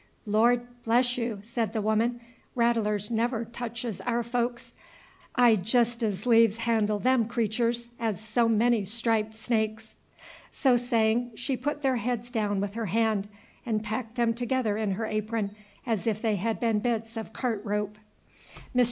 "Lord bless you," said the woman, "rattlers never touches our folks. I'd jest 'z lieves handle them creaturs as so many striped snakes." So saying, she put their heads down with her hand, and packed them together in her apron as if they had been bits of cart rope. Mr.